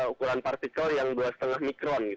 ukuran partikel yang dua lima mikron